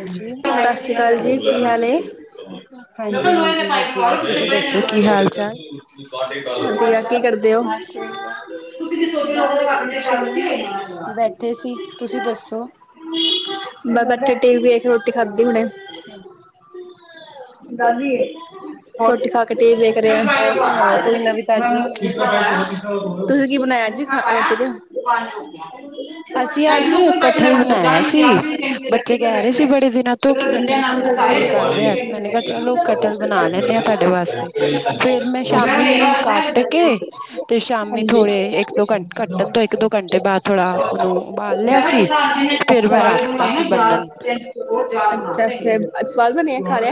ਹਾਂਜੀ ਸਤਿ ਸ਼੍ਰੀ ਅਕਾਲ ਜੀ ਕੀ ਹਾਲ ਏ। ਹਾਂਜੀ ਹਾਂਜੀ ਵਧੀਆ ਤੁਸੀਂ ਦੱਸੋ ਕੀ ਹਾਲ ਚਾਲ ਵਧੀਆ, ਕੀ ਕਰਦੇ ਔ। ਬਸ ਕੁਛ ਨੀ ਬੈਠੇ ਸੀ ਤੁਸੀਂ ਦੱਸੋ। [inaudible] ਬੈਠੇ ਟੀਵੀ ਵੇਖ ਰੋਟੀ ਖਾਧੀ ਹੁਣੇ। ਹੋਰ ਰੋਟੀ ਖਾਕੇ ਟੀਵੀ ਵੇਖ ਰਹੇ ਆ। ਹੋਰ ਸੁਣਾਓ ਕੋਈ ਨਵੀਂ ਤਾਜ਼ੀ ਤੁਸੀਂ ਕੀ ਬਣਾਇਆ ਅੱਜ? [unintelligible] ਅਸੀਂ ਅੱਜ ਚਲ ਕਠਲ ਬਣਾਇਆ ਨੀ ਸੀ ਰਿਹਾ ਬੱਚੇ ਕਹਿ ਰਹੇ ਸੀ ਬੜੇ ਦਿਨਾਂ ਤੋਂ ਕਿ ਕਠਲ ਖਾਣ ਦਾ ਜੀਅ ਡੰਡੇਆ ਕਰ ਰਿਹਾ ਮੈਨੇ ਕਿਹਾ ਚਲੋ ਕਠਲ ਬਣਾ ਲੈਂਦੇ ਆ ਨਾਲ ਤੁਹਾਡੇ ਵਾਸਤੇ ਫੇਰ ਮੈਂ ਸ਼ਾਮੀ [inaudible] ਕੱਟ ਕੇ ਤੇ ਸ਼ਾਮੀ ਥੋੜੇ ਹਾਂਜੀ। ਇੱਕ ਦੋ ਘੰ ਕੱਟਣ ਤੋਂ ਇੱਕ ਦੋ ਘੰਟੇ ਬਾਅਦ ਥੋੜਾ [inaudible] ਉਹਨੂੰ ਉਬਾਲ ਲਿਆ ਸੀ ਫੇਰ ਅੱਛਾ। ਮੈਂ ਰੱਖਤਾ ਸੀ ਬੰਨਣ ਅੱਛਾ ਸਵਾਦ ਬਣਿਆ ਖਾ ਰਿਹਾ?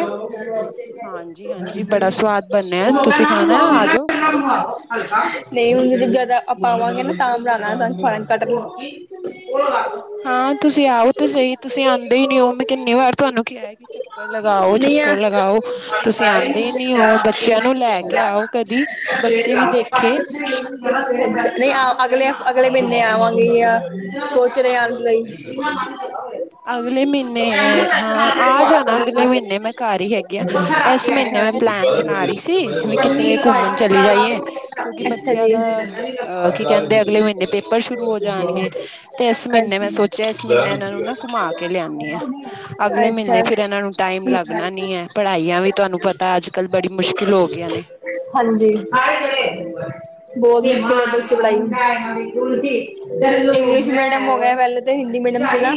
ਹਾਂਜੀ-ਹਾਂਜੀ ਬੜਾ ਸਵਾਦ ਬਣਿਆ ਨਾ ਤੁਸੀਂ ਖਾਣਾ ਹੋ ਆ ਜਾਓ ਹਲਕਾ ਨਹੀਂ ਹੁੰ [unintelligible] ਜਦ ਆਪਾਂ ਆਵਾਂਗੇ ਨਾ ਤਾਂ ਬਣਾਉਣਾ [inaudible] ਹਾਂ ਤੁਸੀਂ ਆਓ ਤੇ ਸਹੀ ਤੁਸੀਂ ਆਉਂਦੇ। ਨੀ ਮੈਂ ਕਿੰਨੀ ਵਾਰ ਤੁਹਾਨੂੰ ਕਿਹਾ ਕਿ ਚੱਕਰ ਲਗਾਓ ਨਹੀਂ ਆ ਚੱਕਰ ਲਗਾਓ ਤੁਸੀਂ ਆਉਂਦੇ ਨੀ ਹੋ। ਬੱਚਿਆਂ ਨੂੰ ਲੈ ਕੇ ਆਓ ਕਦੀ ਬੱਚੇ ਵੀ ਦੇਖੇ ਨਹੀਂ ਆਹ ਅਗਲੇ ਅਗਲੇ ਮਹੀਨੇ ਆਵਾਂਗੇ ਆ ਸੋਚ ਰਹੇ ਆਣ ਲਈ। ਅਗਲੇ ਮਹੀਨੇ ਐਨੂੰ ਹਾਂ ਟੈਸਟ ਨਾਲ ਦੇ ਆ ਜਾਣਾ ਅਗਲੇ ਕੋਲ ਮਹੀਨੇ ਮੈਂ ਘਰ ਹੀ ਹੈਗੀ ਆ ਉੱਥੇ ਰੱਖ ਇਸ ਕੇ ਆਏ ਮਹੀਨੇ ਮੈਂ ਹਾਂਜੀ। ਪਲੈਨ ਬਣਾ ਰਹੀ ਸੀ ਵੀ ਪੰਨੀ ਕਿੱਧਰੇ ਲਗਾ ਕੇ ਘੁੰਮਣ ਕੱਪੜਾ ਚਲੀ ਲਗਾ ਕੇ ਜਾਈਏ ਉੱਥੇ ਰੱਖ ਕੇ ਕਿਉਕਿ ਆਏ। ਅੱਛਾ ਬੱਚਿਆਂ ਜੀ। ਦਾ ਉੱਥੇ ਡੰਡਾ ਨਹੀਂ ਅਹ। ਕਹਿੰਦੇ ਲੱਗਾ ਅਗਲੇ ਮਹੀਨੇ ਪੇਪਰ ਸ਼ੁਰੂ ਹੋ ਜਾਣਗੇ ਤੇ ਇਸ ਅੱਛਾ ਅੱਛਾ ਮਹੀਨੇ ਹਾਂਜੀ ਮੈਂ ਸੋਚਿਆ ਇਸ ਮਹੀਨੇ ਇਹਨਾਂ ਨੂੰ ਨਾ ਘਮਾਕੇ ਲਿਆਵਾ। ਅੱਛਾ ਟਾਈਮ ਠੀਕ ਲੱਗਣਾ ਨੀ ਹੈ ਪੜ੍ਹਾਈਆਂ ਵੀ ਤੁਹਾਨੂੰ ਪਤਾ ਅੱਜ ਕੱਲ ਬੜੀ ਮੁਸ਼ਕਿਲ ਹੋ ਗਈਆਂ ਨੇ ਹਾਂਜੀ ਹਨਾ ਬਹੁਤ ਹੋਰ ਦੱਸੋ ਚਲਾਈ [inaudible] ਇੰਗਲਿਸ਼ ਮੀਡੀਅਮ ਹੋ ਹੋਰ ਗਿਆ ਪਹਿਲਾਂ ਤਾਂ ਹਿੰਦੀ ਮੀਡੀਅਮ ਸੀਗਾ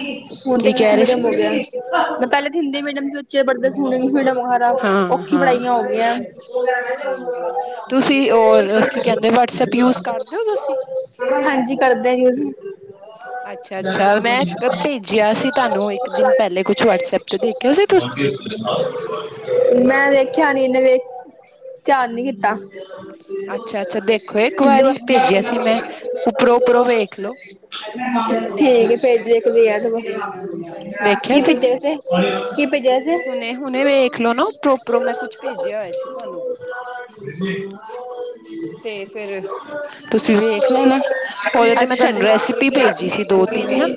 ਹੁਣ। ਕੀ ਕਹਿ ਰਹੇ ਸੀ ਮੀਡੀਅਮ ਹੋ ਗਿਆ ਮੈਂ ਪਹਿਲੇ ਤਾਂ ਹਿੰਦੀ ਮੀਡੀਅਮ ਚ ਬੱਚੇ ਪੜਦੇ ਹੁਣ ਸਾਰਾ ਹਾਂ ਔਖੀ ਹਾਂ ਪੜ੍ਹਾਈਆਂ ਹੋ ਗਈਆਂ। ਹਾਂਜੀ ਤੁਸੀਂ ਔਰ ਕੀ ਕਹਿੰਦੇ ਵਟਸਐਪ ਯੂਜ ਕਰਦੇ ਹੋ ਤੁਸੀਂ ਹਾਂਜੀ ਕਰਦੇ ਯੂਜ। ਅੱਛਾ ਅੱਛਾ ਮੈਂ ਭੇਜਿਆ ਸੀ [unintelligible] ਤੁਹਾਨੂੰ ਇੱਕ ਦਿਨ ਪਹਿਲੇ ਕੁਛ ਵਟਸਐਪ ਤੇ ਦੇਖਿਆ ਸੀ ਤੁਸੀਂ ਮੈਂ ਦੇਖਿਆ। ਰੇਲਵੇ ਧਿਆਨ ਨਹੀਂ ਕੀਤਾ। ਅੱਛਾ ਅੱਛਾ ਦੇਖੋ ਇੱਕ ਦਆ ਵਾਰੀ ਭੇਜਿਆ ਸੀ ਮੈਂ ਉੱਪਰੋਂ ਉੱਪਰੋਂ ਵੇਖ ਲੋ [unintelligible] ਠੀਕ ਭੇਜ [unintelligible] ਇੱਕ ਵੇਖਿਆ ਕੀ ਤੁਸੀਂ ਭੇਜਿਆ ਸੀ ਕੀ ਭੇਜਿਆ ਸੀ ਹੁਣੇ ਹੁਣੇ ਵੇਖ ਲੋ ਨਾ ਉੱਪਰੋਂ ਉੱਪਰੋਂ ਮੈਂ ਕੁਛ ਭੇਜਿਆ ਹੋਇਆ ਸੀ ਤੁਹਾਨੂੰ ਤੇ ਫਿਰ ਤੁਸੀਂ ਵੇਖ ਲੈਣਾ ਉਹਦੇ ਤੇ ਮੈਂ ਅੱਛਾ ਤੁਹਾਨੂੰ ਜੀ ਰੈਸਿਪੀ ਭੇਜੀ ਸੀ ਦੋ ਤਿੰਨ ਨਾ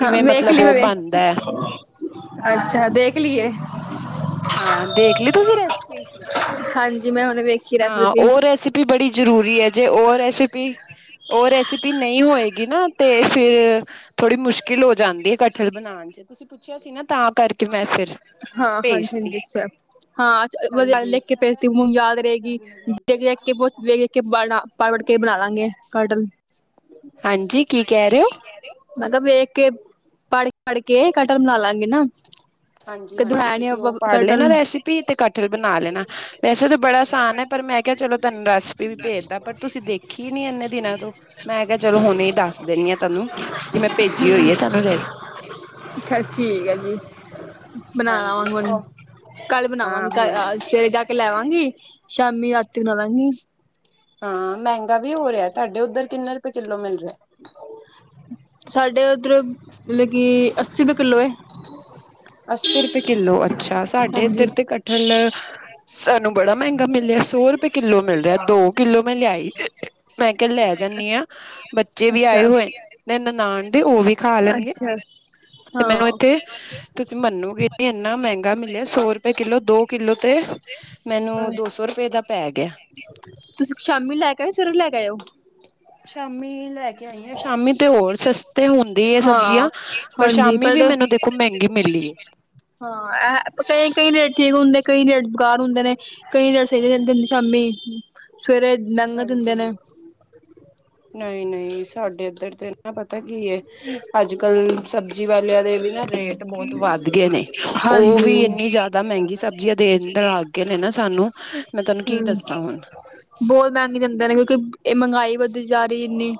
ਹਾਂ ਮਤਲਬ ਵੇਖਲੀ ਮੈ ਉਹ ਵੇ ਬਣਦਾ ਹੈ ਅੱਛਾ ਦੇਖ ਲਈਏ। ਹਾਂ ਦੇਖ ਲਈ ਤੁਸੀਂ ਰੈਸਪੀ? ਹਾਂਜੀ ਮੈਂ ਹੁਣ ਵੇਖੀ ਹਾਂ ਰੈਸਪੀ ਉਹ ਰੈਸਿਪੀ ਬੜੀ ਜ਼ਰੂਰੀ ਹੈ ਜੇ ਉਹ ਰੈਸਿਪੀ ਉਹ ਰੈਸਪੀ ਵੀ ਨਹੀਂ ਹੋਏਗੀ ਨਾ ਤੇ ਫੇਰ ਥੋੜੀ ਮੁਸ਼ਕਿਲ ਹੋ ਜਾਂਦੀ ਹੈ ਕਟਠਲ ਬਣਾਉਣ ਚ ਤੁਸੀਂ ਪੁੱਛਿਆ। ਸੀ ਤਾਂ ਕਰਕੇ ਮੈਂ ਫਿਰ। ਹਾਂ ਹਾਂਜੀ ਭੇਜਤੀ ਹਾਂਜੀ ਅੱਛਾ ਹਾਂ ਵਧੀਆ ਹਾਂਜੀ। ਲਿਖ ਕੇ ਭੇਜਦੀ ਹੁਣ ਯਾਦ ਰਹੇਗੀ। ਮੈਂ ਕਿਹਾ ਵੇਖ ਵੇਖ ਕੇ ਪੜ ਪੜ ਕੇ ਬਣਾ ਲਵਾਂਗੇ ਕਟਹਲ। ਹਾਂਜੀ ਕੀ ਕਹਿ ਰਹੇ ਹੋ? ਮੈਂ ਕਿਹਾ ਵੇਖ ਕੇ, ਪੜ ਪੜ ਕੇ ਕਟਲ ਬਣਾ ਲਾਂਗੇ ਨਾ। ਹਾਂਜੀ, ਕਦੋਂ ਹਾਂਜੀ ਬਣਾਇਆ ਨੀ ਤੁਸੀਂ ਆਪਾਂ ਉਹ ਪੜ ਲੈਣਾ ਕਟਲ ਰੈਸਪੀ ਤੇ ਕਤਹਲ ਬਣਾ ਲੈਣਾ ਵੈਸੇ ਤਾਂ ਬੜਾ ਆਸਾਨ ਹੈ ਪਰ। ਪਰ ਮੈਂ ਕਿਹਾ ਚਲੋ ਤੁਹਾਨੂੰ ਰੈਸਪੀ ਵੀ ਭੇਜਦਾ ਪਰ ਤੁਸੀਂ ਦੇਖੀ ਨੀ ਇੰਨੇ ਦਿਨਾਂ ਤੋਂ ਮੈਂ ਕਿਹਾ ਚਲੋ ਹੁਣ ਦੱਸ। ਦਿੰਨੀ ਹਾਂ ਤੁਹਾਨੂੰ ਕਿ ਮੈਂ ਭੇਜੀ ਹੋਈ ਹੈ ਤੁਹਾਨੂੰ ਰੈਸਪੀ। ਅੱਛਾ ਠੀਕ ਹੈ ਜੀ ਹਮ ਬਣਾ ਲਵਾਂਗੀ ਕੱਲ ਹਾਂ ਬਣਾਵਾਂਗੀ ਕ ਹੁਣ ਸਵੇਰੇ ਜਾ ਕੇ ਲੈ ਆਵਾਂਗੀ। ਸ਼ਾਮੀ ਰਾਤੀ ਬਣਾਵਾਂਗੀ ਹਾਂ ਮਹਿੰਗਾ ਵੀ ਹੋ ਰਿਹਾ ਤੁਹਾਡੇ ਉੱਧਰ ਕਿੰਨੇ ਰੁਪਏ ਕਿੱਲੋ ਮਿਲ ਰਿਹਾ ਸਾਡੇ ਉੱਧਰ ਮਤਲਬ ਕਿ ਅੱਸੀ ਰਪਏ ਕਿੱਲੋ ਹੈ ਅੱਸੀ ਰੁਪਏ ਕਿੱਲੋ ਅੱਛਾ ਸਾਡੇ ਹਾਂਜੀ ਇੱਧਰ ਤੇ ਕਠਲ ਸਾਨੂੰ ਬੜਾ ਮਹਿੰਗਾ ਮਿਲਿਆ ਸੌ ਰੁਪਏ ਕਿੱਲੋ ਮਿਲ ਰਿਹਾ ਦੋ ਕਿੱਲੋ ਮੈਂ ਲਿਆਈ ਮੈਂ ਕਿਹਾ ਲੈ ਜਾਂਦੀ ਹਾਂ ਬੱਚੇ ਵੀ ਆਏ ਅੱਛਾ ਹੋਏ ਨਨਾਨ ਦੇ ਉਹ ਵੀ ਖਾ ਲੈਣਗੇ ਅੱਛਾ ਤੇ ਮੈਨੂੰ ਇੱਥੇ ਹਾਂ ਮਨੋ ਕਿ ਇੰਨਾ ਮਹਿੰਗਾ ਮਿਲਿਆ ਸੋ ਰੁਪਏ ਕਿੱਲੋ ਦੋ ਕਿੱਲੋ ਤੇ ਮੈਨੂੰ ਦੋ ਸੌ ਰੁਪਏ ਦਾ ਪੈ ਗਿਆ ਤੁਸੀਂ ਸ਼ਾਮੀ ਲੈ ਕੇ ਆਇਓ ਸਵੇਰੇ ਲੈ ਕੇ ਆਇਓ ਸ਼ਾਮੀ ਲੈ ਕੇ ਆਈ ਹ ਸ਼ਾਮੀ ਤੇ ਹੋਰ ਸਸਤੇ ਹੁੰਦੀ ਆ ਹਾਂ ਸਬਜ਼ੀਆਂ ਪਰ ਸ਼ਾਮੀ ਵੀ ਵੀ ਮੈਨੂੰ ਦੇਖੋ ਮਹਿੰਗੀ ਮਿਲੀ ਏ ਹਾਂ ਐ ਇਹ। ਕਈ ਰੇਟ ਠੀਕ ਹੁੰਦੇ ਨੇ, ਕਈ ਰੇਟ ਬੇਕਾਰ ਹੁੰਦੇ ਨੇ, ਕਈ ਰੇਟ ਸਹੀ ਦਿੰਦੇ ਨੇ ਸ਼ਾਮੀ। ਸਵੇਰੇ ਮਹਿੰਗਾ ਦਿੰਦੇ ਨੇ। ਹਾਂਜੀ ਨਹੀਂ ਨਹੀਂ ਸਾਡੇ ਇੱਧਰ ਤੇ ਨਾ ਪਤਾ ਕੀ ਹੈ? ਰੇਟ ਬਹੁਤ ਵੱਧ ਗਏ ਨੇ ਉਹ ਹਾਂਜੀ। ਵੀ ਇੰਨੀ ਜ਼ਿਆਦਾ ਮਹਿੰਗੀ ਸਬਜ਼ੀਆਂ ਦੇਣ ਲੱਗ ਗਏ ਨੇ ਨਾ ਸਾਨੂੰ ਮੈਂ ਤੁਹਾਨੂੰ ਕੀ ਹੂੰ ਦੱਸਾਂ ਹੁਣ ਬੋਲ ਮੈ ਨੀ ਜਾਂਦੇ ਨੇ। ਕਿ ਇਹ ਮਹਿੰਗਾਈ ਵਧੀ ਜਾ ਰਹੀ ਇੰਨੀ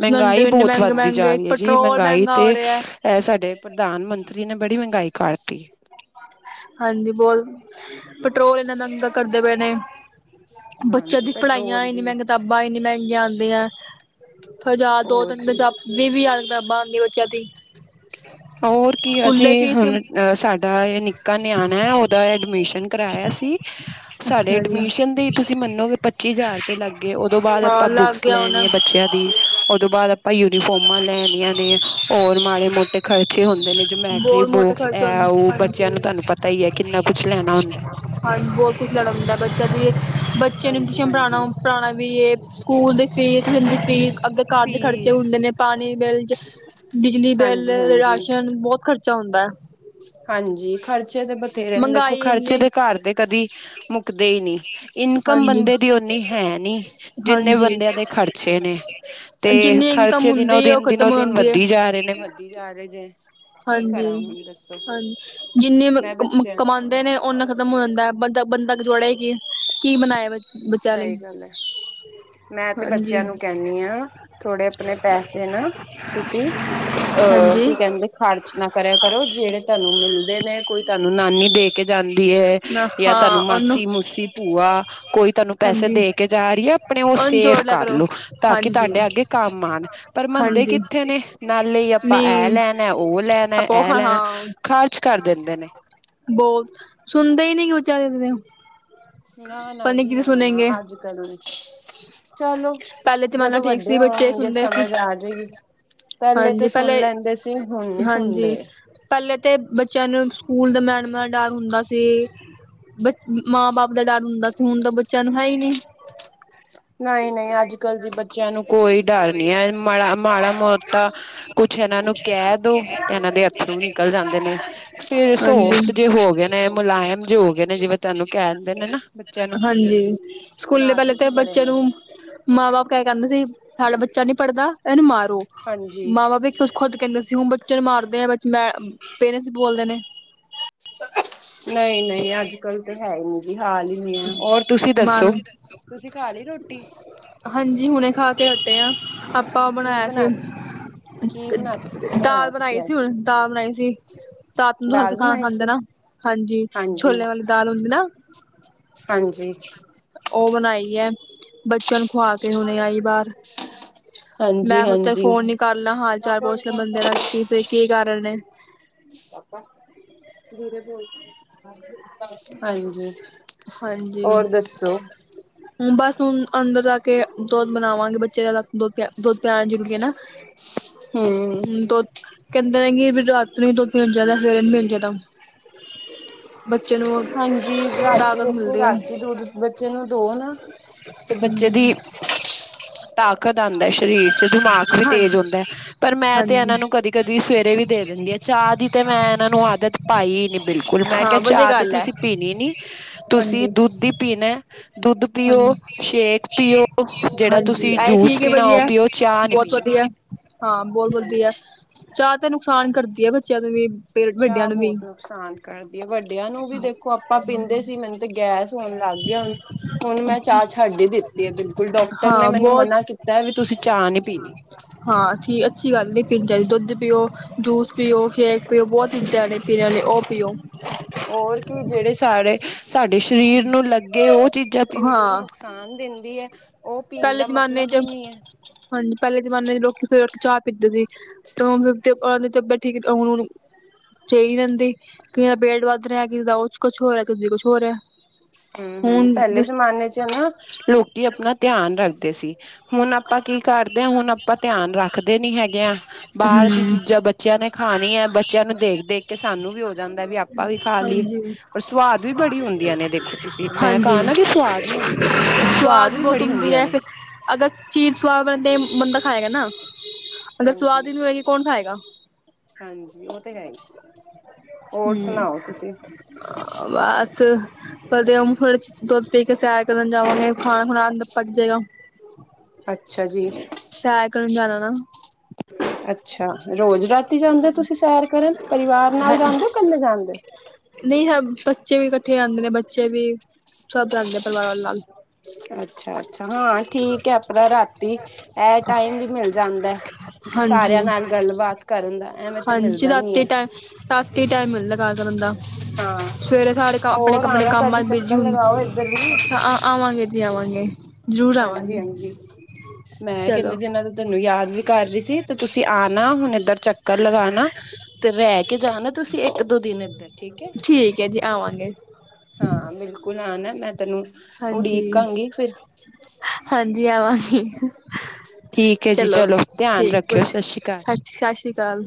ਮਹਿੰਗਾਈ ਇੰਨੇ ਬਹੁਤ ਮਹਿੰਗੇ ਵੱਧਦੀ ਜਾ ਮਹਿੰਗੇ ਰਹੀ ਹੈ ਜੀ ਪੈਟਰੋਲ। ਮਹਿੰਗਾਈ ਮਹਿੰਗਾ ਹੋ ਤੇ ਰਿਹਾ ਐ ਸਾਡੇ ਪ੍ਰਧਾਨ ਮੰਤਰੀ ਨੇ ਬੜੀ ਮਹਿੰਗਾਈ ਕਰਤੀ। ਹਾਂਜੀ ਬਹੁਤ ਪੈਟਰੋਲ ਇੰਨਾ ਮਹਿੰਗਾ ਕਰਦੇ ਪਏ ਨੇ? ਬੱਚਿਆਂ ਹਾਂਜੀ ਦੀ ਪੜ੍ਹਾਈਆਂ ਪੈਟਰੋਲ ਇੰਨੀ ਦੀ ਕਿਤਾਬਾਂ ਇੰਨੀਆਂ ਮਹਿੰਗੀਆਂ ਆਉਂਦੀਆਂ ਹੈ। ਹਜ਼ਾਰ ਦੋ ਹੋਰ ਤਿੰਨ ਜੀ ਵੀਹ ਵੀਹ ਦੀ ਕਿਤਾਬਾਂ ਆਉਂਦੀ ਬੱਚਿਆਂ ਦੀ। ਹੋਰ ਕੀ ਸਕੂਲੇ ਅਸੀਂ ਫੀਸ ਹੁਣ ਸਾਡੇ? ਇਹ ਨਿੱਕਾ ਨਿਆਣਾ ਉਹਦਾ ਐਡਮਿਸ਼ਨ ਕਰਾਇਆ ਸੀ ਸਾਡੇ ਅੱਛਾ ਜੀ। ਐਡਮਿਸ਼ਨ ਦੀ ਤੁਸੀ ਮੰਨੋਗੇ ਪੱਚੀ ਹਜ਼ਾਰ ਰੁਪਏ ਲੱਗਗੇ ਉਦੋਂ ਬਾਅਦ ਹਾਂ ਆਪਾਂ ਲੱਗ ਬੁੱਕਸ ਗਿਆ ਹੁਣ ਲੈਣੀ ਹੈ ਬੱਚਿਆਂ ਦੀ ਉਦੋਂ ਬਾਅਦ ਆਪਾਂ। ਯੂਨੀਫੋਮਾਂ ਲੈਣੀਆਂ ਨੇ ਹੋਰ ਮਾੜੇ ਮੋਟੇ ਖਰਚੇ ਹੁੰਦੇ। ਨੇ ਜਮੈਟਰੀ ਬਹੁਤ ਮੋਟੇ ਬੋਕਸ ਖਰਚ ਹੈ ਉਹ ਬੱਚਿਆਂ ਨੂੰ ਤੁਹਾਨੂੰ ਹਾਂਜੀ ਪਤਾ ਹੀ ਹੈ ਕਿੰਨਾ ਕੁਛ ਲੈਣਾ ਹੁੰਦਾ ਹਾਂਜੀ ਹੋਰ ਕੁਝ ਲੈਣਾ ਹੁੰਦਾ ਹੈ। ਬੱਚਾ ਦੀ ਬੱਚਿਆਂ ਨੂੰ ਹਾਂਜੀ ਟਿਊਸ਼ਨ ਪੜ੍ਹਾਉਣਾ ਹਾਂਜੀ ਪੜ੍ਹਾਣਾ ਵੀ ਇਹ ਸਕੂਲ ਦੀ ਫੀਸ ਟਿਊਸ਼ਨ ਦੀ ਫੀਸ। ਆਪਦੇ ਘਰ ਦੇ ਖਰਚੇ ਫੀਸ ਹੁੰਦੇ ਨੇ ਪਾਣੀ ਬਿੱਲ, ਬਿਜਲੀ ਬਿੱਲ, ਹਾਂਜੀ ਹਾਂਜੀ ਰਾਸ਼ਨ ਬਹੁਤ। ਖਰਚਾ ਹੁੰਦਾ ਹੈ। ਹਾਂਜੀ ਖਰਚੇ ਤੇ, ਇਹ ਦੇਖੋ ਮਹਿੰਗਾਈ 'ਖਰਚੇ ਇੰਨੀ ਤੇ ਘਰ ਦੇ ਕਦੀ ਮੁੱਕਦੇ ਨਹੀਂ। ਨਹੀਂ ਇਨਕਮ ਹਾਂਜੀ ਬੰਦੇ ਦੀ ਓਨੀ ਹੈਨੀ, ਜਿੰਨੇ ਹਾਂਜੀ ਬੰਦਿਆਂ ਦੇ ਖ਼ਰਚੇ ਨੇ। ਤੇ ਜਿੰਨੀ ਇਨਕਮ ਖਰਚੇ ਹੁੰਦੀ ਹੈ ਉਹ ਦਿਨੋ-ਦਿਨ, ਖ਼ਤਮ ਦਿਨੋ-ਦਿਨ ਹੁੰਦੀ ਹੈ ਵੱਧਦੀ ਜਾ ਰਹੇ ਨੇ, ਵੱਧਦੀ ਜਾ ਰਹੇ ਨੇ। ਕੀ ਕਰਾਂ ਮੈਨੂੰ ਹਾਂਜੀ, ਦੱਸ? ਹਾਂਜੀ ਜਿੰਨੇ ਕਮਾਂਦੇ ਨੇ ਉਹਨਾ ਖ਼ਤਮ ਹੋ ਜਾਂਦਾ ਹੈ ਬੰਦਾ। ਬੰਦਾ ਜੋੜੇ ਕਿ ਕੀ ਬਣਾਇਆ ਬਈ। ਸਹੀ ਗੱਲ ਹੈ। ਮੈਂ ਤੇ ਹਾਂਜੀ, ਬੱਚਿਆਂ ਨੂੰ ਕਹਿਣੀ ਹਾਂ ਥੋੜੇ ਆਪਣੇ ਪੈਸੇ ਨਾ ਤੁਸੀਂ। ਅਹ ਹਾਂਜੀ ਕੀ ਕਹਿੰਦੇ ਖ਼ਰਚ ਨਾ ਕਰਿਆ ਕਰੋ ਜਿਹੜੇ ਤੁਹਾਨੂੰ ਮਿਲਦੇ ਨੇ ਕੋਈ ਤੁਹਾਨੂੰ ਨਾਨੀ ਦੇ ਕੇ। ਕੇ ਜਾਂਦੀ ਹੈ ਜਾਂ ਤੁਹਾਨੂੰ ਹਾਂ ਉਹਨੂੰ ਮਾਸੀ, ਮੂਸੀ, ਭੂਆ ਕੋਈ ਤੁਹਾਨੂੰ। ਪੈਸੇ ਹਾਂਜੀ ਦੇ ਕੇ ਜਾ ਰਹੀ ਹੈ ਆਪਣੇ ਉਹ ਉਹਨੂੰ ਸੇਵ ਜੋੜ ਲਿਆ ਕਰ ਕਰੋ ਲੋ ਤਾਂ ਕਿ ਹਾਂਜੀ। ਤੁਹਾਡੇ ਅੱਗੇ ਕੰਮ ਆਉਣ ਪਰ ਮਨਦੇ ਮੰਨਦੇ ਹਾਂਜੀ ਕਿੱਥੇ ਨੇ ਨਾਲੇ ਆਪਾਂ ਇਹ ਨਹੀਂ ਲੈਣਾ, ਉਹ ਲੈਣਾ, ਆਪੋ ਇਹ ਹਾਂ ਲੈਣਾ ਖ਼ਰਚ ਕਰ ਦਿੰਦੇ ਨੇ। ਬਹੁਤ ਸੁਣਦੇ ਹੀ ਨਹੀਂ ਬੱਚੇ ਅੱਜ ਦੇ ਨਾ ਨਾ ਪਰ ਨਹੀਂ ਜੀ ਕਿਤੇ ਨਾ ਨਾ ਸੁਣੇਗੇ ਅੱਜ ਕੱਲ। ਚਲੋ ਪਹਿਲੇ ਜ਼ਮਾਨਾ ਜਦੋਂ ਠੀਕ ਵੱਡੇ ਸੀ ਬੱਚੇ ਹੋਣਗੇ ਸੁਣਦੇ ਸੀ ਸਮਝ ਆ ਜਾਏਗੀ। ਪਹਿਲੇ ਤੇ ਹਾਂਜੀ ਸੁਣ ਪਹਿਲੇ ਲੈਂਦੇ ਸੀ ਹੁਣ ਨੀ ਹਾਂਜੀ ਸੁਣਦੇ ਪਹਿਲੇ ਤੇ ਬੱਚਿਆਂ ਨੂੰ? ਸਕੂਲ ਦੇ ਮੈਡਮਾਂ ਡਰ ਹੁੰਦਾ ਸੀ ਬੱਚੇ ਮਾਂ ਬਾਪ। ਦਾ ਡਰ ਹੁੰਦਾ ਸੀ। ਹੁਣ ਤਾਂ ਬੱਚਿਆਂ ਨੂੰ ਹੈ ਹੀ ਨਹੀਂ [unintelligible] ਨਹੀਂ ਨਹੀਂ ਅੱਜ ਕੱਲ ਜੀ ਬੱਚਿਆਂ ਨੂੰ ਕੋਈ ਡਰ ਨੀ ਹੈ। ਮਾੜਾ ਮਾੜਾ ਮੋਟਾ ਤਾਂ ਨਹੀਂ, ਕੁਛ ਹੈ। ਇਹਨਾਂ ਨੂੰ ਕਹਿ ਦੋ ਤੇ, ਇਹਨਾਂ ਦੇ ਅੱਥਰੂ ਨਿਕਲ ਜਾਂਦੇ ਨੇ, ਫੇਰ ਸੋਫਟ ਜੇ ਹੋ ਗਏ ਨੇ, ਮੁਲਾਇ ਕਾਇਮ ਜੇ ਹੋ ਗਏ ਨੇ, ਜਿਵੇਂ ਤੁਹਾਨੂੰ ਕਹਿ ਹਾਂਜੀ। ਸਕੂਲੇ ਪਹਿਲੇ ਨਾਜ਼ੁਕ ਤੇ ਹੀ ਬੱਚ--। ਬੜੇ ਨੇ ਚਲੋ, ਮਾਂ- ਬਾਪ ਕਹਿ ਕਹਿੰਦੇ ਸੀ ਸਾਡਾ ਬੱਚਾ ਨੀ ਪੜ੍ਹਦਾ ਇਹਨੂੰ ਮਾਰ ਮਾਰੋਂ ਹਾਂਜੀ ਮਾ- ਬਾਪ ਇਕ ਤੋ, ਖੁਦ ਕਹਿੰਦੇ ਸੀ ਹੁਣ ਬੱਚੇ ਨੂੰ ਮਾਰ ਦੇ ਵਿੱਚ ''ਮੈਂ ਪੇਰੇਂਟਸ ਬੋਲਦੇ ਨੇ। ਨਹੀਂ, ਨਹੀਂ ਅੱਜ- ਕੱਲ ਤੇ ਹੈਹੀ, ਨਹੀਂ ਜੀ। ਖਾ ਜਿੰਨੇ ਆ ਹੋਰ ਤੁਸੀਂ ਦੱਸੋ? ਮਾਰਨ ਤੁਸੀਂ ਖਾਲੀ ਰੋਟੀ? ਹਾਂਜੀ, ਹੁਣੇ ਖਾਕੇ ਹਟੇ ਆ ਆਪਾਂ 'ਉਹ ਕੀ ਬਣਾਇਆ ਸੀ ਬਣਾ ਕੀ ਬਣਾ ਦਾਲ ਬਣਾਇਆ ਤੁਸੀਂ ਬਣਾਈ ਸੀ, ਅੱਜ ਹੁਣ ਦਾਲ ਬਣਾਈ ਸੀ। ਦਾਤ ਨੂੰ ਦਾਲ ਹਲਕ ਖਾਣਾ ਬਣਾਈ ਸੀ ਖਾਂਦੇ ਨਾ ਹਾਂਜੀ, ਹਾਂਜੀ ਛੋਲਿਆਂ ਵਾਲੀ ਦਾਲ ਹੁੰਦੀ ਨਾ ਹਾਂਜੀ। ਬਚ ਪਨ ਚਲ, ਖੁਆਕੇ ਹੁਣੇ ਆਈ ਬਾਹਰ ਹਾਂਜੀ ''ਮੈਂ ਹੁਥੇ ਹਾਂਜੀ ਫੋਨ ਈ ਕਾਰਲਾ ਹਾਲ-ਚਾਲ ਪੋਛਲਾ [unintelligible] ਕੀ ਕਾਰਣ ਐ। ਹਾਂਜੀ। ਹਾਂਜੀ, ਹੋਰ ਦੱਸੋ ਹੂੰ, ਬਸ ਹੁਣ- ਅੰਦਰ ਜਾਕੇ ਦੁੱਧ ਬਣਾਵਾਂਗੇ ਬੱਚੇ ਦਾ ਦੁੱਧ ਦੁਧ ਪਿਆਣਾ ਜਰੂਰੀ ਐ, ਨਾ ਹਮ ਹੂੰ, ਦੁਧ ਕਹਿੰ ਕੈਦੇਨੇ ਰਾਤ ਨੂੰ ਦੁਧ ਦੇਨਾ ਚਾਹੀਦਾ, ਸਵੇਰੇ ਨਹੀ ਦੇਨਾ ਚਾਹੀਦਾ। ਬੱਚਿਆਂ ਨੂੰ- ਹਾਂਜੀ [unintelligible] ਰਾਤੀ ਦੇਖੋ, ਮਿਲਦੀ ਹੈ ਰਾਤੀ ਦੁਧ ਬੱਚੇ ਨੂੰ ਦੋ ਨਾ, ਤੇ ਬੱਚੇ ਦੀ ਤਾਕਤ ਆਂਦੈ ਸਰੀਰ'ਚ' ਦਿਮਾਗ ਵੀ ਤੇਜ ਹਾਂਜੀ ਹੋਂਦਾ, ਪਰ ''ਮੈਂ ਤੇ ਹਾਂਜੀ ਇਹਨਾਂ ਨੂੰ ਕਦੀ- ਕਦੀ ਸਵੇਰੇ ਵੀ ਦੇ ਦਿੰਦੀਆ ਚਾਹ ਦੀ ਤੇ, ਮੈਂ ਇਹਨਾ ਨੂੰ ਆਦਤ ਪਾਈ ਨੀ ਬਿਲਕੁਲ ''ਮੈਂ ਕਿਹਾ ਹਾਂ ਵਧੀਆ ਚਾਹ ਤੇ, ਗੱਲ ਹੈ ਤੁਸੀ ਪੀਣੀ ਨੀ ਤੁਸੀ ਹਾਂਜੀ ਦੁੱਧ ਹੀ ਪੀਣਾ, ਦੁੱਧ ਪੀਓ ਹਾਂਜੀ ਸ਼ੇਕ ਪੀਓ, ਜਿਹੜਾ ਤੁਸੀ ਆਏ ਠੀਕ ਹੈ। ਵਧੀਆ, ਬਹੁਤ ਵਧੀਆ ਹਾਂ, ਬਹੁਤ ਹਾਂਜੀ ਵਧੀਆ ਚਾਹ ਤੇ, ਨੁਕਸਾਨ ਕਰਦੀ ਏ ਬੱਚਿਆਂ ਨੂੰ ਵੀੇ, ਵੱਡਿਆਂ ਨੂੰ ਵੀ ਕਰਦੀਏ ਵੱਡਿਆਂ ਨੂੰ ਵੀ, ਦੇਖੋ ਆਪਾ ਪੀਂਦੇ ਸੀ, ਮੈਨੂੰ ਤੇ ਗੈਸ ਹੋਣ ਲਗ ਗਈ ਹੁਣ 'ਮੈਂ ਚਾਹ ਛਡ ਹੀ ਦਿਤੀ ਹੈ, ਬਿਲਕੁਲ ਡਾਕਟਰ ਨੇ ਹਾਂ ਮੈਨੂੰ ਬਹੁਤ ਮਨਾ ਕੀਤਾ ਵੀ, ਤੁਸੀ ਚਾਹ ਨੀ ਪੀਣੀ ਹਾਂ ਜੀ ਅੱਛੀ ਗਲ। ਫਿਰ ਚਾਹੇ ਦੁੱਧ ਪੀਓ, ਜੂਸ ਪੀਓ, ਸ਼ੇਕ ਪੀਓ ਬਹੁਤ ਚੀਜ਼ਾ ਨੇ ਪੀਣ ਵਾਲੇ ਉਹ ਪੀਓ। ਹੋਰ ਕੀ ਜਿਹੜੇ ਸਾਰੇੇ। ਸਾਡੇ ਸ਼ਰੀਰ ਨੂੰ ਲਗੇ ਉਹ ਚੀਜ਼ਾ ਪੀਓ, ਜਿਹੜੀ ਹਾਂ ਨੁਕਸਾਨ ਦੇਂਦੀ ਐ। ਪਹਿਲੇ ਜਮਾਨੇ'ਚ ਹਾਂਜੀ, ਪਹਿਲੇ ਜਮਾਨੇ'ਚ ਲੋਕੀ ਸਵੇਰੇ ਉੱਠਕੇ ਚਾਹ ਪੀਂਦੇ ਸੀ। [unintelligible] ਚੲਈ ਰਹਿੰਦੀ ਕਿਸੇ ਦਾ ਪੇਟ ਵੱਧ ਰਿਹਾ, ਕਿਸ ਦਾ ਉਹ'ਚ ਕੁਛ ਹੋ ਰਿਆ, ਕਦੀ ਕੁਛ ਹੋ ਰਿਹਾ, ਕਦੀ ਕੁਛ ਹੋ ਰਿਹਾ। ਹੂੰ, ਹੂੰ ਪਹਿਲੇ ਹੁਣ ਜਮਾਨੇ'ਚ ਨਾ ਲੋਕੀ ਅਪਨਾ ਧਿਆਨ ਰੱਖਦੇ ਸੀ, ਹੁਣ ਆਪਾਂ ਹੂੰਣ, ਕੀ ਅੱਗੇਓ ਕਰਦੇ ਧਿਆਨ ਹਾਂ ਹੁਣ ਬਾਹਰਲੀ ਆਪਾਂ ਧਿਆਨ ਰੱਖਦੇ ਨੀ ਹੈਗੇ ਆ। ਬਾਹਰ ਦੀ ਬੱਚਿਆਂ ਚੀਜ਼ਾਂ ਬੱਚਿਆ ਨੇ ਖਾਣੀ ਹੈ ਹਾਂਜੀ। ਬੱਚਿਆਂ ਨੂੰ ਦੇਖ-ਦੇਖ ਕੇ ਸਾਨੂੰ ਵੀ ਹੋ ਜਾਂਦਾ ਵੀ ਆਪਾਂ ਵੀ ਖਾ ਲਈਏ। ਹਾਂਜੀ, ਔਰ ਵੀ ਬੜੀ ਸਵਾਦ ਹੁੰਦੀਆਂ ਨੇ ਦੇਖੋ ਤੁਸੀਂ ਮੈਂ ਕਹਾ ਨਾ ਕਿ ਸਵਾਦ ਨੀ ਹੁੰਦੀ। ਸਵਾਦ ਵੀ ਬਹੁਤ ਬੜੀ ਹੋਂਦੀ ਹੁੰਦੀਆਂ ਹੈ, ਨੇ। ਅਗਰ ਚੀਜ਼ ਸਵਾਦ ਬੰਦੇ, ਬੰਦਾ ਖਾਏਗਾ ਨਾ, ਅਗਰ ਸਵਾਦ ਹੀ ਨਹੀ ਹੋਏਗੀ ਕੋਣ ਖਾਏਗਾ। ਹਾਂਜੀ, ਉਹ ਤੇ, ਹੈ। ਹੋਰ ਹੂੰ, ਸੁਣਾਓ ਤੁਸੀਂ ਅ--ਬਾਅ'ਚ ਕਦੇ ਦੁੱਧ ਪੀਕੇ ਸੈਰ ਕਰਨ ਜਾਵਾਂਗੇ ਖਾਣਾ-ਖੁਣਾ ਅੰਦਰ ਪੱਚ ਜੇਗਾ। ਅੱਛਾ ਜੀ। ਸੈਰ ਕਰਨ ਜਾਣਾ ਨਾ। [unintelligible] ਅੱਛਾ। ਰੋਜ ਰਾਤੀ ਜਾਂਦੇ ਓ, ਤੁਸੀ ਸੈਰ ਕਰਨ ਪਰਿਵਾਰ ਨਾਲ ਜਾਂਦੇ ਹੋ, ਕੱਲੇ ਜਾਂਦੇ? ਨਹੀ, ਬੱਚੇ ਵੀ ਇਕਠੇ ਜਾਂਦੇ ਨੇ, ਬੱਚੇ ਵੀ ਸਭ ਜਾਂਦੇ ਪਰਿਵਾਰਾ ਨਾਲ। ਅੱਛਾ- ਅੱਛਾ ਹਾਂ ਠੀਕ ਹੈ। ਆਪਣਾ ਰਾਤੀ ਇਹ ਟਾਈਮ ਵੀ ਮਿਲ ਜਾਦਾ। ਹਾਂਜੀ- ਐਵੇਂ ਤੇ ਹਾਂਜੀ ਮਿਲਦਾ ਨੀ ਰਾਤੀ ਹੈ ਟੈ ਰਾਤੀ ਟਾਈਮ ਮਿਲਦਾ। ਕਰਨ ਦਾ- ਹਾਂ ਸਵੇਰੇ ਸਾਰੇ ਆਪਣੇ- ਹੋਰ ਆਪਣੇ ਆਣਾ ਕੰਮਾਂ ਕਦੀ ਬਿਜੀ ਚੱਕਰ ਲਗਾਓ ਹੁੰਦੇ ਇੱਧਰ ਵੀ ਆਵਾਂਗੇ। ਆਵਾਂਗੇ ਜ਼ਰੂਰ ਆਵਾਂਗੇ। ਹਾਂਜੀ-ਹਾਂਜੀ ਮੈਂ ਕਿਨੇ ਚਲੋ ਦਿਨਾ ਦਾ ਤੁਹਾਨੂੰ ਯਾਦ ਵੀ ਕਰ ਰਹੀ ਸੀ ਤੇ ਤੁਸੀ ਆਣਾ ਹੁਣ ਇਧਰ ਚਕਰ ਲਗਾਣਾ। ਤੇ ਰਹਿ ਕੇ ਜਾਣਾ ਤੁਸੀ ਇਕ ਦੋ ਦਿਨ ਇਧਰ ਠੀਕ ਹੈ ਠੀਕ ਹੈ ਜੀ ਆਵਾਂਗੇ। ਹਾਂ ਬਿਲਕੁਲ ਆ ਨਾ ਮੈਂ ਤੈਨੂੰ ਹਾਂਜੀ ਉਡੀਕਾਗੀ ਫਿਰ। ਜੀ ਆਵਾਂਗੀ। ਠੀਕ ਹੈ ਜੀ ਚਲੋ ਠੀਕ ਧਿਆਨ ਰੱਖਿਓ ਸਤਿ ਸ਼੍ਰੀ ਸ ਅਕਾਲ ਸਤਿ ਸ਼੍ਰੀ ਅਕਾਲ।